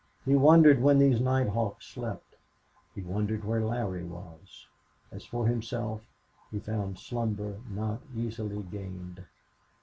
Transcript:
He wondered when these night hawks slept. He wondered where Larry was. As for himself, he found slumber not easily gained.